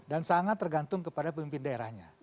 dan sangat tergantung kepada pemimpin daerahnya